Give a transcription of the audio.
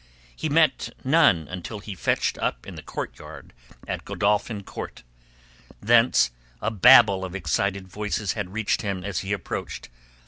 He met none until he fetched up in the courtyard at Godolphin Court. Thence a babble of excited voices had reached him as he approached.